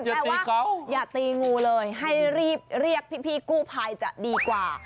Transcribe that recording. หนิตีเกาอย่าตีงูเลยให้เรียกพี่กู้พายจะดีกว่า